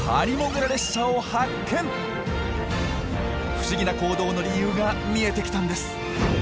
不思議な行動の理由が見えてきたんです。